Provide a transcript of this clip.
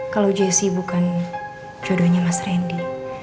kalau jessi bukan jodohnya mas randy